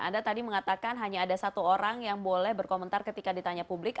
anda tadi mengatakan hanya ada satu orang yang boleh berkomentar ketika ditanya publik